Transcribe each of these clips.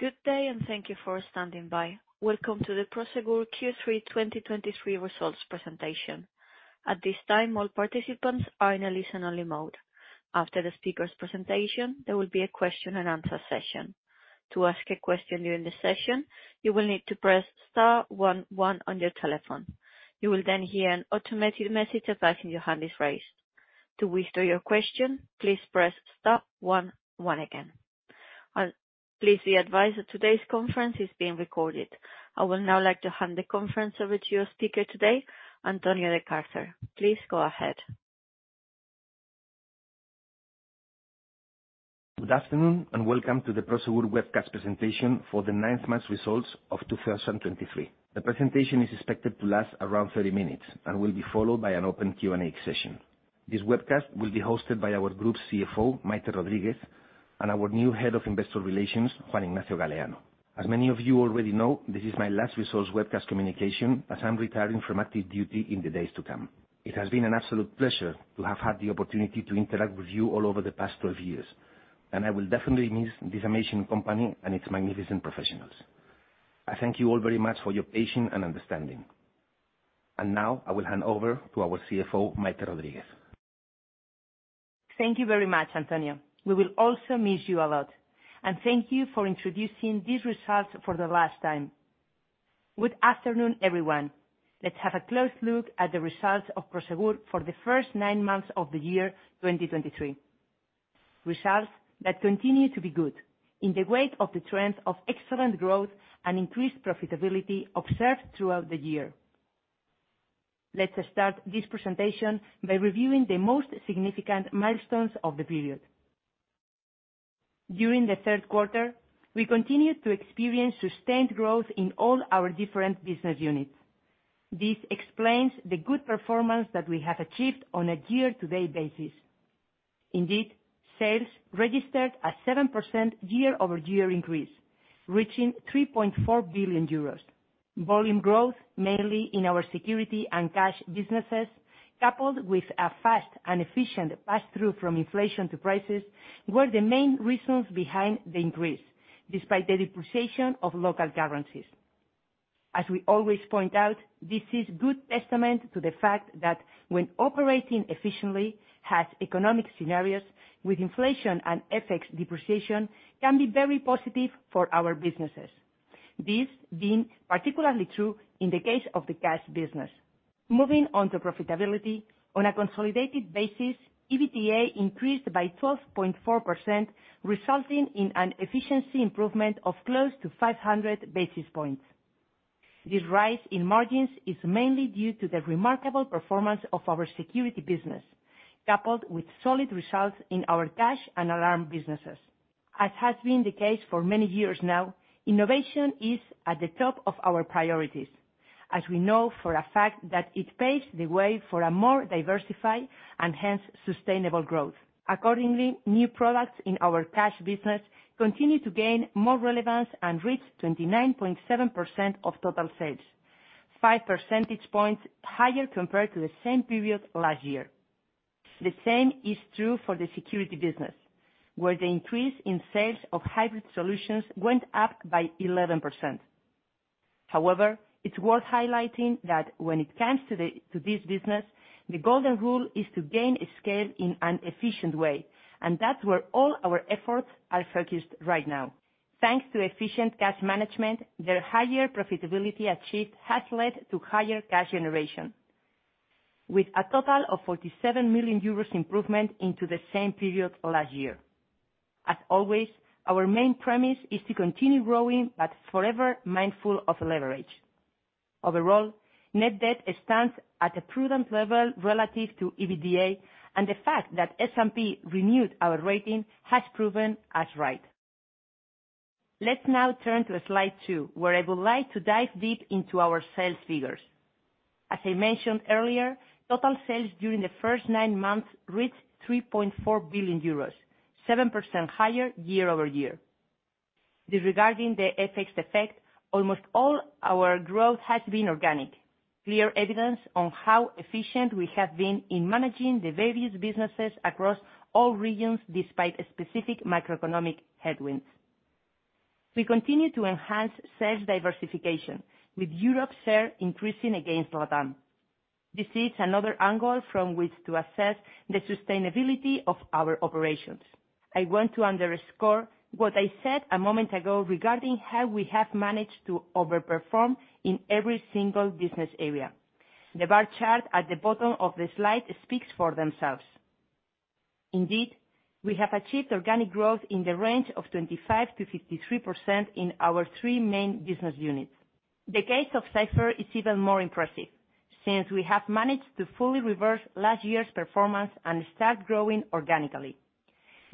Good day, and thank you for standing by. Welcome to the Prosegur Q3 2023 results presentation. At this time, all participants are in a listen-only mode. After the speaker's presentation, there will be a question and answer session. To ask a question during the session, you will need to press star one one on your telephone. You will then hear an automated message advising your hand is raised. To withdraw your question, please press star one one again. Please be advised that today's conference is being recorded. I will now like to hand the conference over to your speaker today, Antonio de Cárcer. Please go ahead. Good afternoon, and welcome to the Prosegur webcast presentation for the ninth month's results of 2023. The presentation is expected to last around 30 minutes and will be followed by an open Q&A session. This webcast will be hosted by our group's CFO, Maite Rodríguez, and our new Head of Investor Relations, Juan Ignacio Galleano. As many of you already know, this is my last results webcast communication, as I'm retiring from active duty in the days to come. It has been an absolute pleasure to have had the opportunity to interact with you all over the past 12 years, and I will definitely miss this amazing company and its magnificent professionals. I thank you all very much for your patience and understanding. Now, I will hand over to our CFO, Maite Rodríguez. Thank you very much, Antonio. We will also miss you a lot, and thank you for introducing these results for the last time. Good afternoon, everyone. Let's have a close look at the results of Prosegur for the first nine months of the year 2023. Results that continue to be good in the wake of the trend of excellent growth and increased profitability observed throughout the year. Let's start this presentation by reviewing the most significant milestones of the period. During the third quarter, we continued to experience sustained growth in all our different business units. This explains the good performance that we have achieved on a year-to-date basis. Indeed, sales registered a 7% year-over-year increase, reaching 3.4 billion euros. Volume growth, mainly in our security and cash businesses, coupled with a fast and efficient pass-through from inflation to prices, were the main reasons behind the increase, despite the depreciation of local currencies. As we always point out, this is good testament to the fact that when operating efficiently, harsh economic scenarios with inflation and FX depreciation can be very positive for our businesses. This being particularly true in the case of the cash business. Moving on to profitability, on a consolidated basis, EBITDA increased by 12.4%, resulting in an efficiency improvement of close to 500 basis points. This rise in margins is mainly due to the remarkable performance of our security business, coupled with solid results in our cash and alarm businesses. As has been the case for many years now, innovation is at the top of our priorities, as we know for a fact that it paves the way for a more diversified and, hence, sustainable growth. Accordingly, new products in our cash business continue to gain more relevance and reach 29.7% of total sales, 5 percentage points higher compared to the same period last year. The same is true for the security business, where the increase in sales of hybrid solutions went up by 11%. However, it's worth highlighting that when it comes to this business, the golden rule is to gain scale in an efficient way, and that's where all our efforts are focused right now. Thanks to efficient cash management, the higher profitability achieved has led to higher cash generation, with a total of 47 million euros improvement into the same period last year. As always, our main premise is to continue growing, but forever mindful of leverage. Overall, net debt stands at a prudent level relative to EBITDA, and the fact that S&P renewed our rating has proven us right. Let's now turn to slide 2, where I would like to dive deep into our sales figures. As I mentioned earlier, total sales during the first nine months reached 3.4 billion euros, 7% higher year-over-year. Disregarding the FX effect, almost all our growth has been organic. Clear evidence on how efficient we have been in managing the various businesses across all regions, despite specific macroeconomic headwinds. We continue to enhance sales diversification, with Europe's share increasing against LATAM. This is another angle from which to assess the sustainability of our operations. I want to underscore what I said a moment ago regarding how we have managed to overperform in every single business area. The bar chart at the bottom of the slide speaks for themselves. Indeed, we have achieved organic growth in the range of 25%-53% in our three main business units. The case of Cipher is even more impressive, since we have managed to fully reverse last year's performance and start growing organically.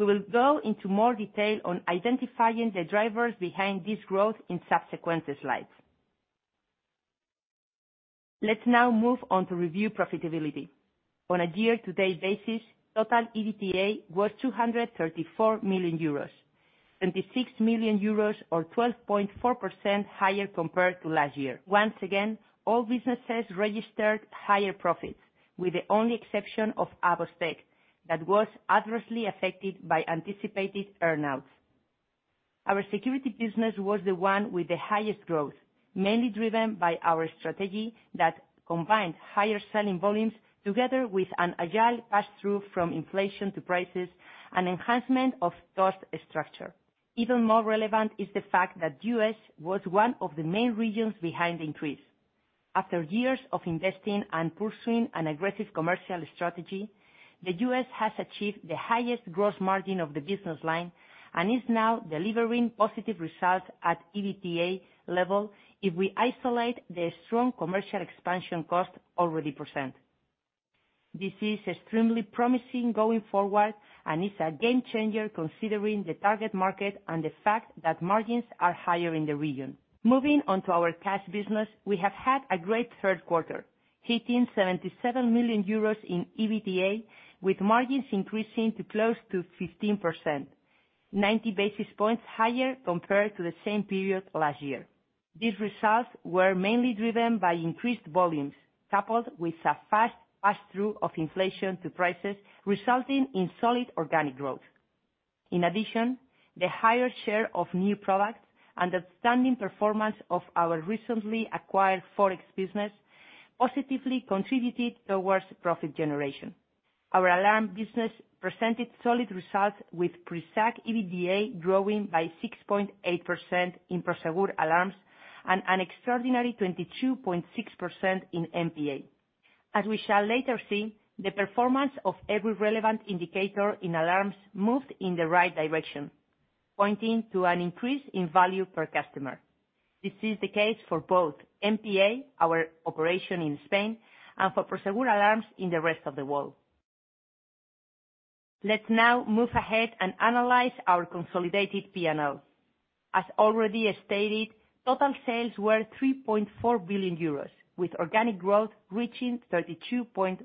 We will go into more detail on identifying the drivers behind this growth in subsequent slides. Let's now move on to review profitability. On a year-to-date basis, total EBITDA was 234 million euros, 26 million euros, or 12.4% higher compared to last year. Once again, all businesses registered higher profits, with the only exception of AVOS Tech, that was adversely affected by anticipated earn-outs. Our security business was the one with the highest growth, mainly driven by our strategy that combined higher selling volumes together with an agile pass-through from inflation to prices and enhancement of cost structure. Even more relevant is the fact that U.S. was one of the main regions behind the increase. After years of investing and pursuing an aggressive commercial strategy, the U.S. has achieved the highest gross margin of the business line and is now delivering positive results at EBITDA level, if we isolate the strong commercial expansion cost already percent. This is extremely promising going forward, and is a game changer, considering the target market and the fact that margins are higher in the region. Moving on to our cash business, we have had a great third quarter, hitting 77 million euros in EBITDA, with margins increasing to close to 15%, 90 basis points higher compared to the same period last year. These results were mainly driven by increased volumes, coupled with a fast pass-through of inflation to prices, resulting in solid organic growth. In addition, the higher share of new products and outstanding performance of our recently acquired Forex business positively contributed towards profit generation. Our alarm business presented solid results, with pre-SAC EBITDA growing by 6.8% in Prosegur Alarms and an extraordinary 22.6% in MPA. As we shall later see, the performance of every relevant indicator in alarms moved in the right direction, pointing to an increase in value per customer. This is the case for both MPA, our operation in Spain, and for Prosegur Alarms in the rest of the world. Let's now move ahead and analyze our consolidated P&L. As already stated, total sales were 3.4 billion euros, with organic growth reaching 32.4%.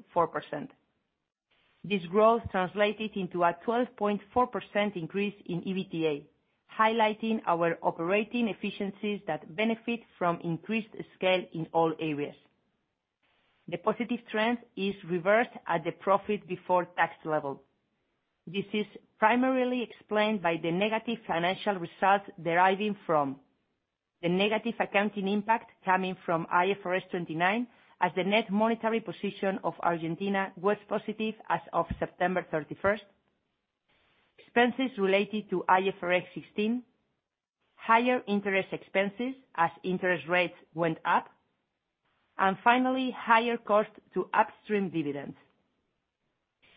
This growth translated into a 12.4% increase in EBITDA, highlighting our operating efficiencies that benefit from increased scale in all areas. The positive trend is reversed at the profit before tax level. This is primarily explained by the negative financial results deriving from: the negative accounting impact coming from IFRS 29, as the net monetary position of Argentina was positive as of September 31st, expenses related to IFRS 16, higher interest expenses as interest rates went up, and finally, higher cost to upstream dividends.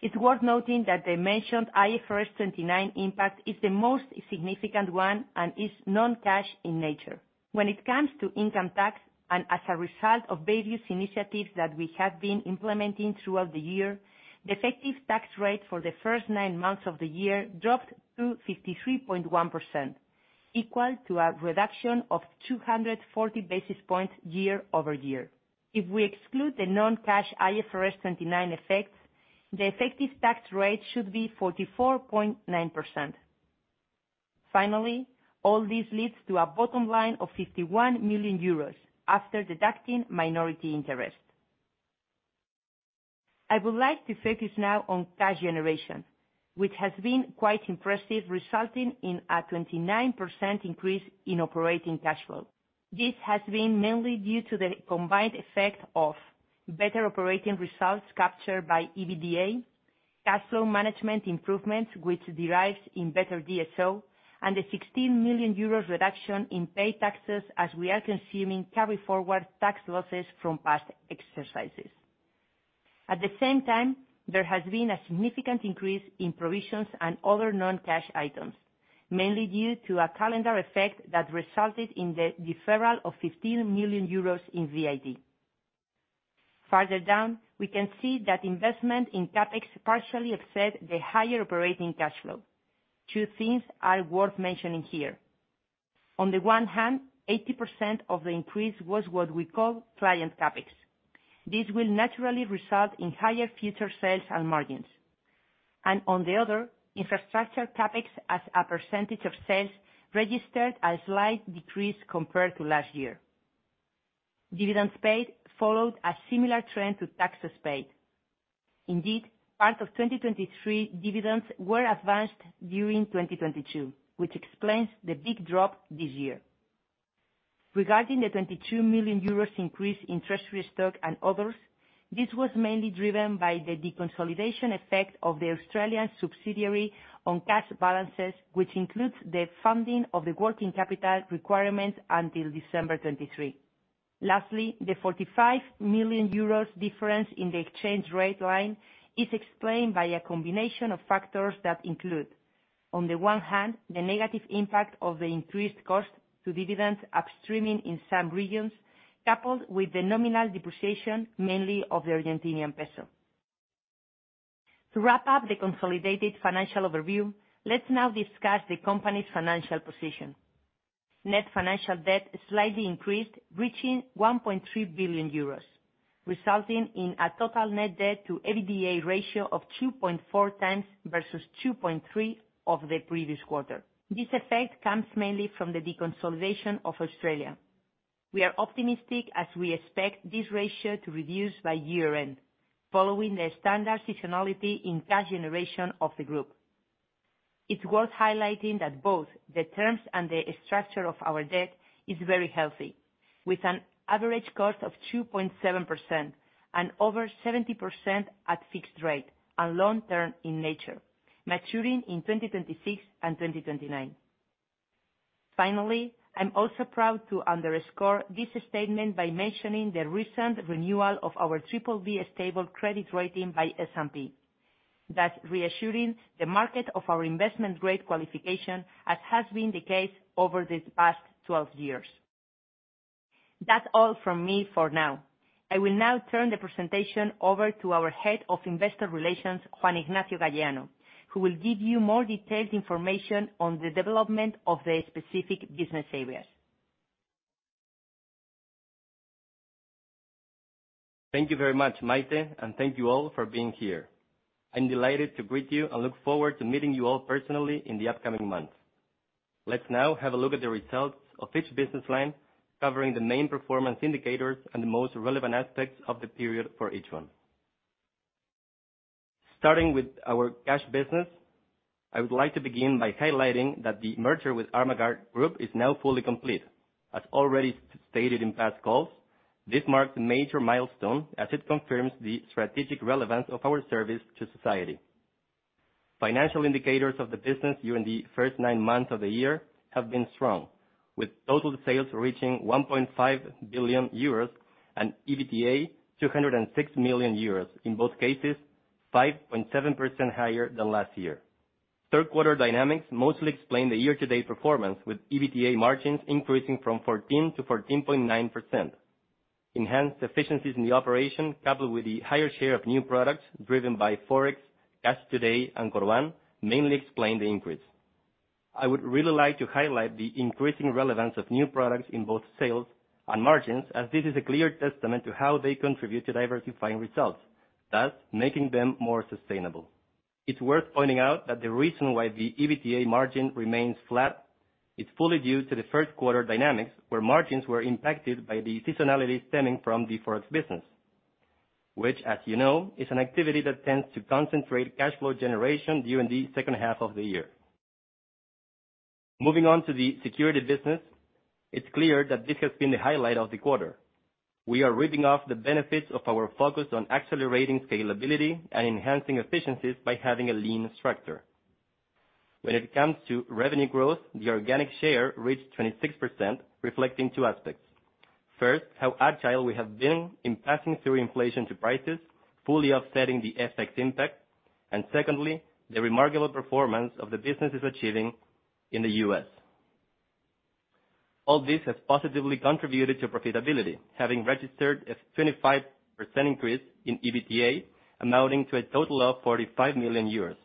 It's worth noting that the mentioned IFRS 29 impact is the most significant one and is non-cash in nature. When it comes to income tax, and as a result of various initiatives that we have been implementing throughout the year, the effective tax rate for the first nine months of the year dropped to 53.1%, equal to a reduction of 240 basis points year-over-year. If we exclude the non-cash IFRS 29 effects, the effective tax rate should be 44.9%. Finally, all this leads to a bottom line of 51 million euros after deducting minority interest. I would like to focus now on cash generation, which has been quite impressive, resulting in a 29% increase in operating cash flow. This has been mainly due to the combined effect of better operating results captured by EBITDA, cash flow management improvements, which derives in better DSO, and a 16 million euros reduction in paid taxes, as we are consuming carry-forward tax losses from past years. At the same time, there has been a significant increase in provisions and other non-cash items, mainly due to a calendar effect that resulted in the deferral of 15 million euros in VAT. Further down, we can see that investment in CapEx partially offset the higher operating cash flow. Two things are worth mentioning here. On the one hand, 80% of the increase was what we call client CapEx. This will naturally result in higher future sales and margins. And on the other, infrastructure CapEx, as a percentage of sales, registered a slight decrease compared to last year. Dividends paid followed a similar trend to taxes paid. Indeed, part of 2023 dividends were advanced during 2022, which explains the big drop this year. Regarding the 22 million euros increase in treasury stock and others, this was mainly driven by the deconsolidation effect of the Australian subsidiary on cash balances, which includes the funding of the working capital requirement until December 2023. Lastly, the 45 million euros difference in the exchange rate line is explained by a combination of factors that include, on the one hand, the negative impact of the increased cost to dividends upstreaming in some regions, coupled with the nominal depreciation, mainly of the Argentine peso. To wrap up the consolidated financial overview, let's now discuss the company's financial position. Net financial debt slightly increased, reaching 1.3 billion euros, resulting in a total net debt to EBITDA ratio of 2.4 times versus 2.3 of the previous quarter. This effect comes mainly from the deconsolidation of Australia. We are optimistic as we expect this ratio to reduce by year-end, following the standard seasonality in cash generation of the group. It's worth highlighting that both the terms and the structure of our debt is very healthy, with an average cost of 2.7% and over 70% at fixed rate and long-term in nature, maturing in 2026 and 2029. Finally, I'm also proud to underscore this statement by mentioning the recent renewal of our BBB stable credit rating by S&P. That's reassuring the market of our investment grade qualification, as has been the case over this past 12 years. That's all from me for now. I will now turn the presentation over to our Head of Investor Relations, Juan Ignacio Galleano, who will give you more detailed information on the development of the specific business areas. Thank you very much, Maite, and thank you all for being here. I'm delighted to greet you and look forward to meeting you all personally in the upcoming months. Let's now have a look at the results of each business line, covering the main performance indicators and the most relevant aspects of the period for each one. Starting with our cash business, I would like to begin by highlighting that the merger with Armaguard Group is now fully complete. As already stated in past calls, this marks a major milestone as it confirms the strategic relevance of our service to society. Financial indicators of the business during the first nine months of the year have been strong, with total sales reaching 1.5 billion euros and EBITDA, 206 million euros, in both cases, 5.7% higher than last year. Third quarter dynamics mostly explain the year-to-date performance, with EBITDA margins increasing from 14 to 14.9%. Enhanced efficiencies in the operation, coupled with the higher share of new products driven by Forex, Cash Today, and Corban, mainly explain the increase. I would really like to highlight the increasing relevance of new products in both sales and margins, as this is a clear testament to how they contribute to diversifying results, thus making them more sustainable. It's worth pointing out that the reason why the EBITDA margin remains flat is fully due to the first quarter dynamics, where margins were impacted by the seasonality stemming from the Forex business, which, as you know, is an activity that tends to concentrate cash flow generation during the second half of the year. Moving on to the security business, it's clear that this has been the highlight of the quarter. We are reaping the benefits of our focus on accelerating scalability and enhancing efficiencies by having a lean structure. When it comes to revenue growth, the organic share reached 26%, reflecting two aspects. First, how agile we have been in passing through inflation to prices, fully offsetting the FX impact, and secondly, the remarkable performance of the business is achieving in the US. All this has positively contributed to profitability, having registered a 25% increase in EBITDA, amounting to a total of 45 million euros.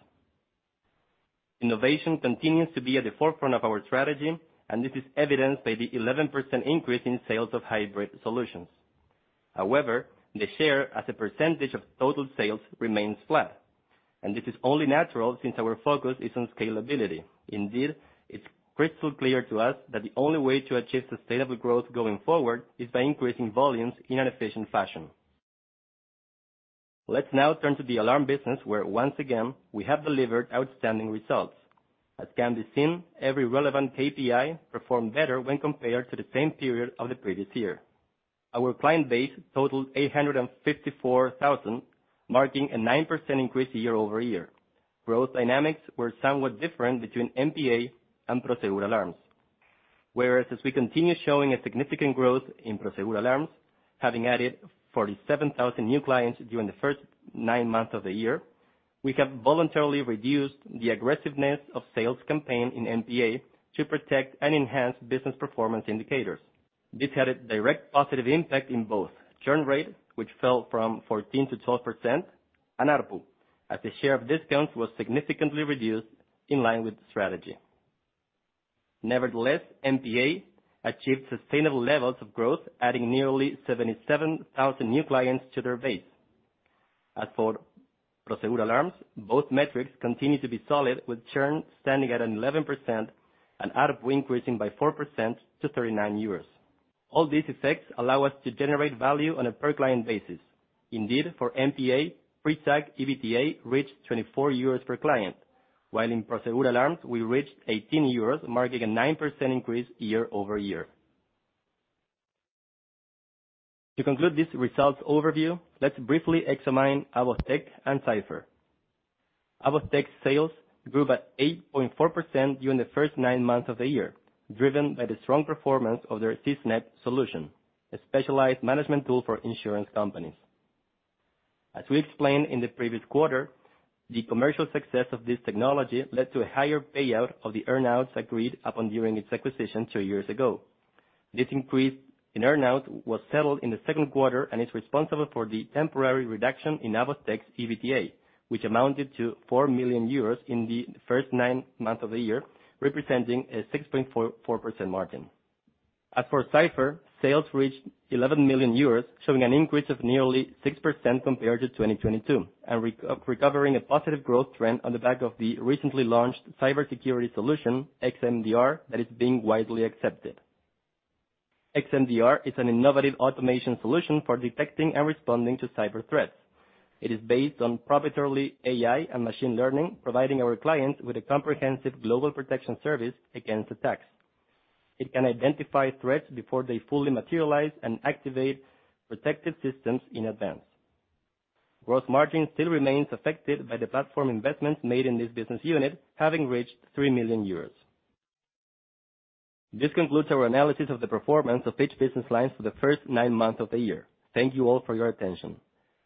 Innovation continues to be at the forefront of our strategy, and this is evidenced by the 11% increase in sales of hybrid solutions. However, the share as a percentage of total sales remains flat, and this is only natural since our focus is on scalability. Indeed, it's crystal clear to us that the only way to achieve sustainable growth going forward is by increasing volumes in an efficient fashion. Let's now turn to the alarm business, where once again, we have delivered outstanding results. As can be seen, every relevant KPI performed better when compared to the same period of the previous year. Our client base totaled 854,000, marking a 9% increase year-over-year. Growth dynamics were somewhat different between MPA and Prosegur Alarms. Whereas as we continue showing a significant growth in Prosegur Alarms, having added 47,000 new clients during the first 9 months of the year, we have voluntarily reduced the aggressiveness of sales campaign in MPA to protect and enhance business performance indicators. This had a direct positive impact in both churn rate, which fell from 14%-12%, and ARPU, as the share of discounts was significantly reduced in line with the strategy. Nevertheless, MPA achieved sustainable levels of growth, adding nearly 77,000 new clients to their base. As for Prosegur Alarms, both metrics continue to be solid, with churn standing at 11% and ARPU increasing by 4% to 39 euros. All these effects allow us to generate value on a per-client basis. Indeed, for MPA, pre-tax EBITDA reached 24 euros per client, while in Prosegur Alarms, we reached 18 euros, marking a 9% increase year-over-year. To conclude this results overview, let's briefly examine AVOS Tech and Cipher. AVOS Tech's sales grew by 8.4% during the first nine months of the year, driven by the strong performance of their SISnet solution, a specialized management tool for insurance companies. As we explained in the previous quarter, the commercial success of this technology led to a higher payout of the earn-outs agreed upon during its acquisition two years ago. This increase in earn-out was settled in the second quarter and is responsible for the temporary reduction in AVOS Tech's EBITDA, which amounted to 4 million euros in the first nine months of the year, representing a 6.44% margin. As for Cipher, sales reached 11 million euros, showing an increase of nearly 6% compared to 2022, and recovering a positive growth trend on the back of the recently launched cybersecurity solution, xMDR, that is being widely accepted.... xMDR is an innovative automation solution for detecting and responding to cyber threats. It is based on proprietary AI and machine learning, providing our clients with a comprehensive global protection service against attacks. It can identify threats before they fully materialize and activate protective systems in advance. Gross margin still remains affected by the platform investments made in this business unit, having reached 3 million euros. This concludes our analysis of the performance of each business lines for the first nine months of the year. Thank you all for your attention.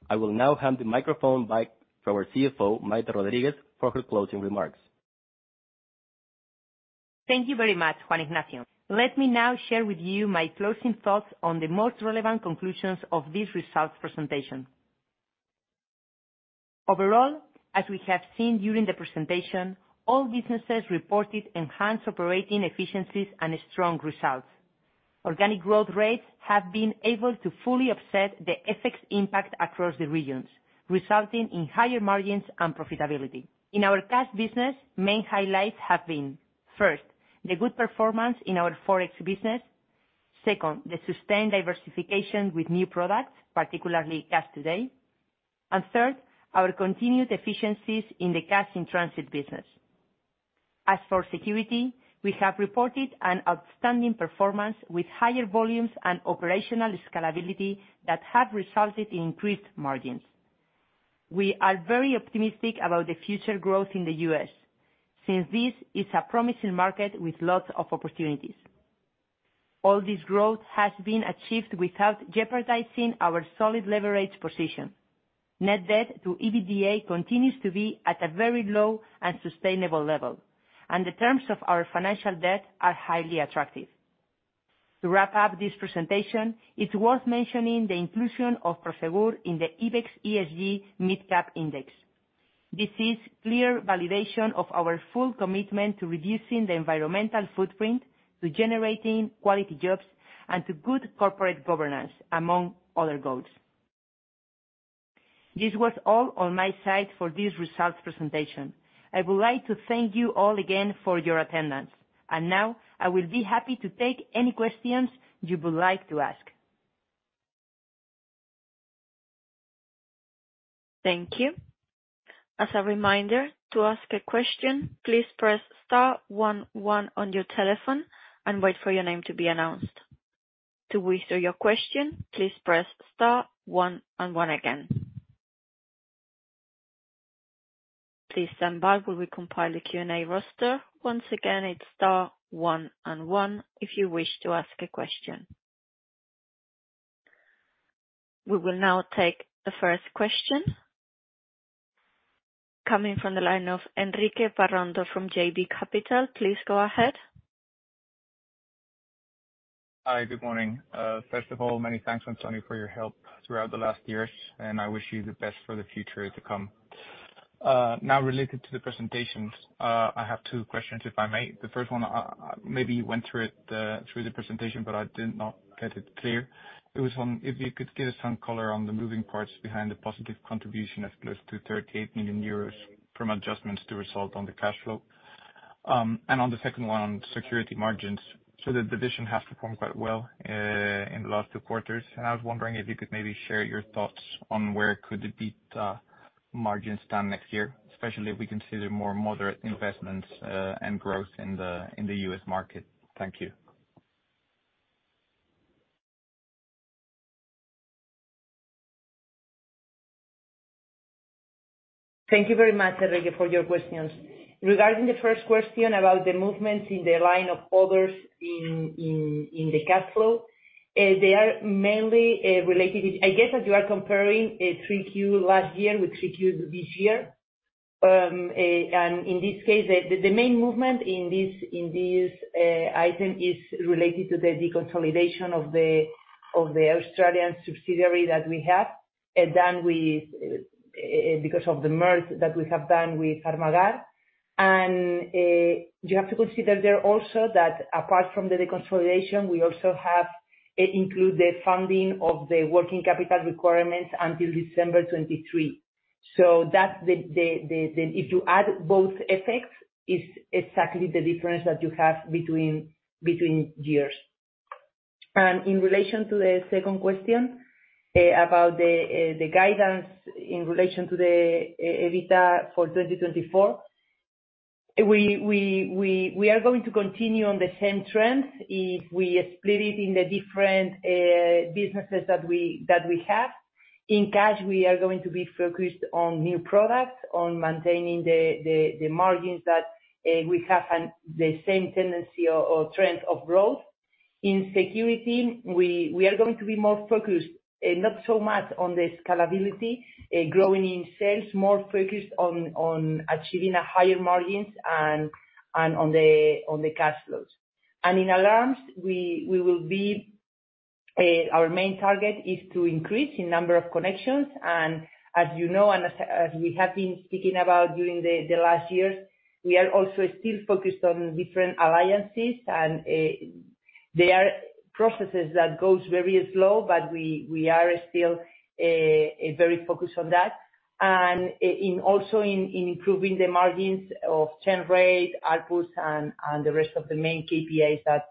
I will now hand the microphone back to our CFO, Maite Rodríguez, for her closing remarks. Thank you very much, Juan Ignacio. Let me now share with you my closing thoughts on the most relevant conclusions of this results presentation. Overall, as we have seen during the presentation, all businesses reported enhanced operating efficiencies and strong results. Organic growth rates have been able to fully offset the FX impact across the regions, resulting in higher margins and profitability. In our cash business, main highlights have been, first, the good performance in our Forex business. Second, the sustained diversification with new products, particularly, Cash Today. And third, our continued efficiencies in the cash in transit business. As for security, we have reported an outstanding performance with higher volumes and operational scalability that have resulted in increased margins. We are very optimistic about the future growth in the U.S., since this is a promising market with lots of opportunities. All this growth has been achieved without jeopardizing our solid leverage position. Net debt to EBITDA continues to be at a very low and sustainable level, and the terms of our financial debt are highly attractive. To wrap up this presentation, it's worth mentioning the inclusion of Prosegur in the IBEX ESG Mid Cap Index. This is clear validation of our full commitment to reducing the environmental footprint, to generating quality jobs, and to good corporate governance, among other goals. This was all on my side for this results presentation. I would like to thank you all again for your attendance, and now I will be happy to take any questions you would like to ask. Thank you. As a reminder, to ask a question, please press star one one on your telephone and wait for your name to be announced. To withdraw your question, please press star one and one again. Please stand by while we compile a Q&A roster. Once again, it's star one and one if you wish to ask a question. We will now take the first question. Coming from the line of Enrique Parrondo from JB Capital. Please, go ahead. Hi, good morning. First of all, many thanks, Antonio, for your help throughout the last years, and I wish you the best for the future to come. Now, related to the presentations, I have two questions, if I may. The first one, maybe you went through it, through the presentation, but I did not get it clear. It was on, if you could give us some color on the moving parts behind the positive contribution of close to 38 million euros from adjustments to result on the cash flow. And on the second one, on security margins. The division has performed quite well in the last two quarters, and I was wondering if you could maybe share your thoughts on where could it be margin stand next year, especially if we consider more moderate investments and growth in the U.S. market. Thank you. Thank you very much, Enrique, for your questions. Regarding the first question about the movements in the line of others in the cash flow, they are mainly related with... I guess, as you are comparing 3Q last year with 3Q this year. And in this case, the main movement in this item is related to the deconsolidation of the Australian subsidiary that we have done with because of the merger that we have done with Armaguard. And you have to consider there also, that apart from the deconsolidation, we also have it include the funding of the working capital requirements until December 2023. So that's the if you add both effects, is exactly the difference that you have between years. In relation to the second question, about the guidance in relation to the EBITDA for 2024, we are going to continue on the same trend, if we split it in the different businesses that we have. In cash, we are going to be focused on new products, on maintaining the margins that we have and the same tendency or trend of growth. In security, we are going to be more focused, not so much on the scalability, growing in sales, more focused on achieving a higher margins and on the cash flows. In alarms, we will be, our main target is to increase the number of connections. As you know, as we have been speaking about during the last years, we are also still focused on different alliances. They are processes that goes very slow, but we are still very focused on that... and also in improving the margins of churn rate, ARPU, and the rest of the main KPIs that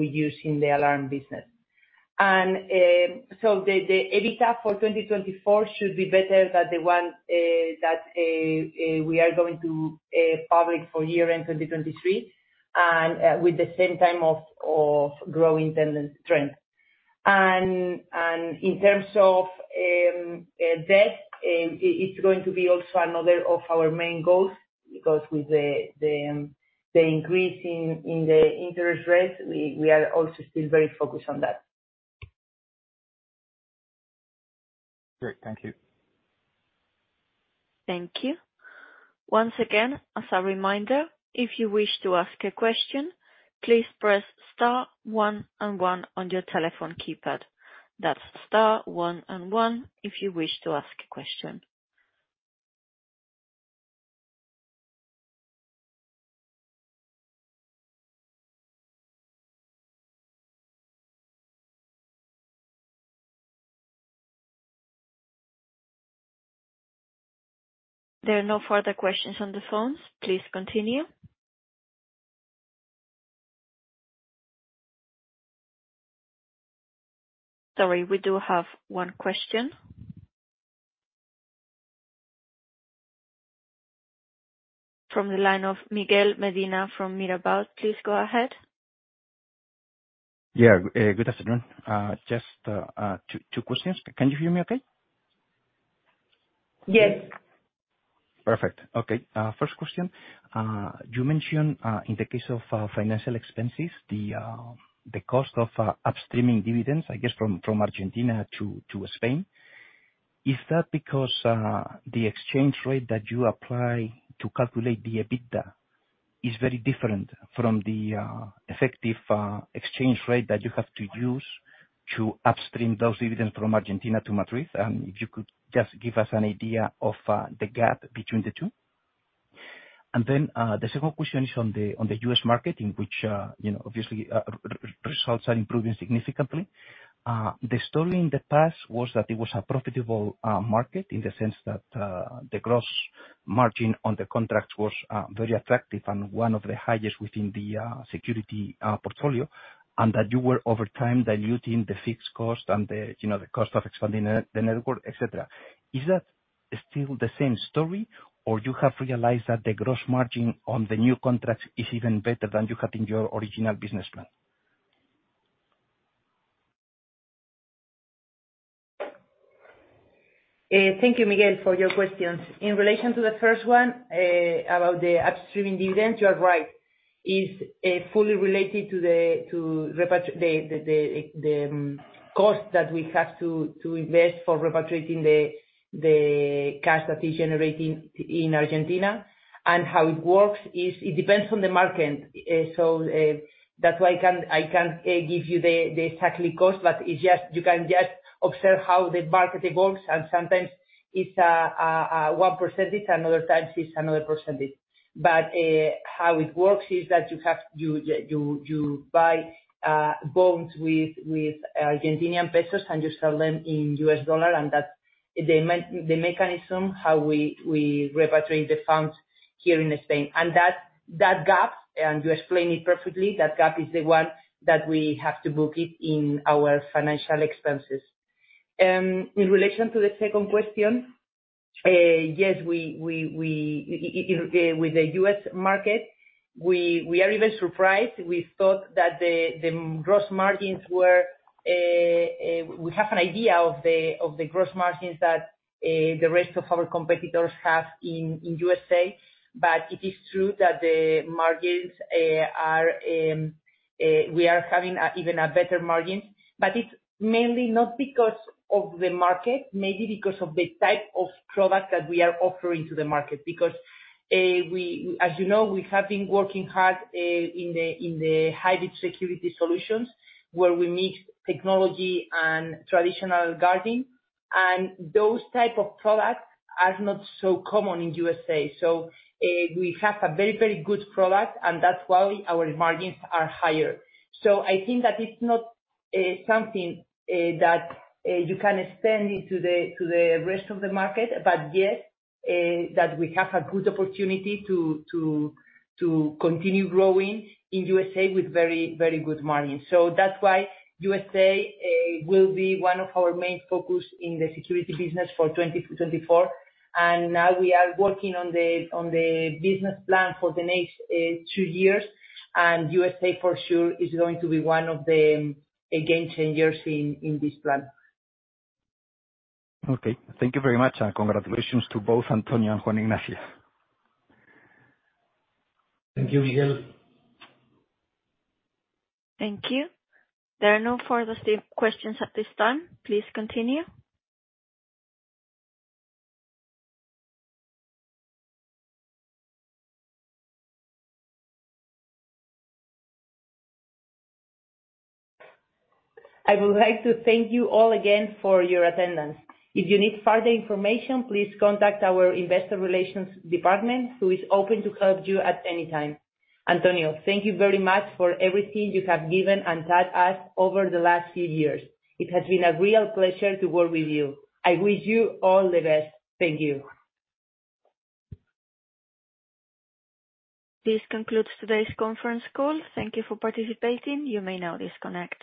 we use in the alarm business. So the EBITDA for 2024 should be better than the one that we are going to publish for year-end 2023, and with the same time of growing trend. In terms of debt, it's going to be also another of our main goals, because with the increase in the interest rates, we are also still very focused on that. Great. Thank you. Thank you. Once again, as a reminder, if you wish to ask a question, please press star one and one on your telephone keypad. That's star one and one if you wish to ask a question. There are no further questions on the phones. Please continue. Sorry, we do have one question. From the line of Miguel Medina from Mirabaud. Please go ahead. Yeah, good afternoon. Just two questions. Can you hear me okay? Yes. Perfect. Okay. First question, you mentioned, in the case of financial expenses, the cost of upstreaming dividends, I guess, from Argentina to Spain. Is that because the exchange rate that you apply to calculate the EBITDA is very different from the effective exchange rate that you have to use to upstream those dividends from Argentina to Madrid? And if you could just give us an idea of the gap between the two. And then, the second question is on the US market, in which, you know, obviously, results are improving significantly. The story in the past was that it was a profitable market, in the sense that the gross margin on the contracts was very attractive and one of the highest within the security portfolio. And that you were over time diluting the fixed cost and the, you know, the cost of expanding the network, et cetera. Is that still the same story? Or you have realized that the gross margin on the new contracts is even better than you had in your original business plan? Thank you, Miguel, for your questions. In relation to the first one, about the upstreaming dividends, you are right. It's fully related to the cost that we have to invest for repatriating the cash that is generating in Argentina. And how it works is, it depends on the market. So, that's why I can't give you the exact cost, but it's just, you can just observe how the market works, and sometimes it's one percentage, and other times it's another percentage. But how it works is that you have... You buy bonds with Argentinian pesos, and you sell them in U.S. dollar, and that's the mechanism how we repatriate the funds here in Spain. And that, that gap, and you explained it perfectly, that gap is the one that we have to book it in our financial expenses. In relation to the second question, yes, we with the U.S. market, we are even surprised. We thought that the gross margins were. We have an idea of the gross margins that the rest of our competitors have in USA. But it is true that the margins are, we are having even a better margin, but it's mainly not because of the market, mainly because of the type of product that we are offering to the market. Because, as you know, we have been working hard in the hybrid security solutions, where we mix technology and traditional guarding, and those type of products are not so common in USA. So, we have a very, very good product, and that's why our margins are higher. So I think that it's not something that you can extend into the rest of the market, but yes, that we have a good opportunity to continue growing in USA with very, very good margins. So that's why USA will be one of our main focus in the security business for 2024. And now we are working on the business plan for the next two years. And USA for sure is going to be one of the game changers in this plan. Okay. Thank you very much, and congratulations to both Antonio and Juan Ignacio. Thank you, Miguel. Thank you. There are no further questions at this time. Please continue. I would like to thank you all again for your attendance. If you need further information, please contact our investor relations department, who is open to help you at any time. Antonio, thank you very much for everything you have given and taught us over the last few years. It has been a real pleasure to work with you. I wish you all the best. Thank you. This concludes today's conference call. Thank you for participating. You may now disconnect.